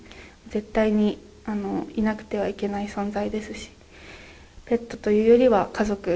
絶対にいなくてはいけない存在ですし、ペットというよりは家族。